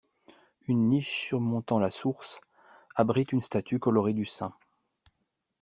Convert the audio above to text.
Une niche surmontant la source abrite une statue colorée du saint.